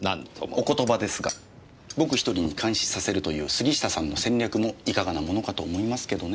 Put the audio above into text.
お言葉ですが僕１人に監視させるという杉下さんの戦略もいかがなものかと思いますけどね。